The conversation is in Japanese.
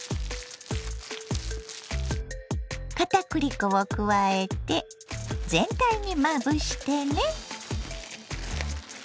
かたくり粉を加えて全体にまぶしてね。